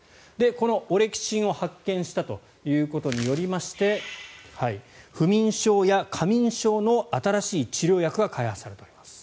このオレキシンを発見したということによりまして不眠症や過眠症の新しい治療薬が開発されております。